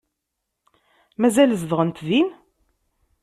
Mazal zedɣent din?